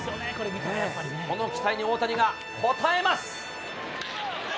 この期待に大谷が応えます。